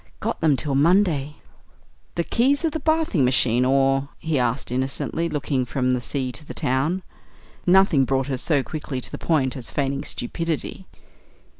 "Got them till Monday!" "The keys of the bathing machine, or ?" he asked innocently, looking from the sea to the town. Nothing brought her so quickly to the point as feigning stupidity.